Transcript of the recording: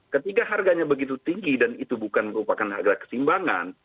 ketika harganya begitu tinggi dan itu bukan merupakan harga kesimbangan